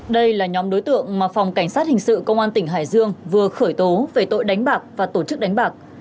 đây là nhóm đối tượng mà phòng cảnh sát hình sự công an tỉnh hải dương vừa khởi tố về tội đánh bạc và tổ chức đánh bạc